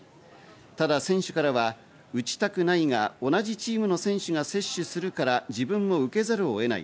ただ、選手からは打ちたくないが同じチームの選手が接種するから自分も受けざるを得ない。